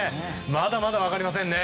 まだまだ分かりませんね。